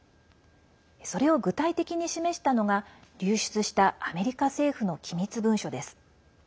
それを具体的に示したのが流出したアメリカ政府の機密文書です。